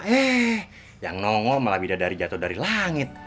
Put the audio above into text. eh yang nongol malah beda dari jatuh dari langit